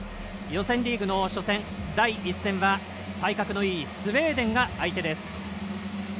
予選リーグの初戦、第１戦は体格のいいスウェーデンが相手です。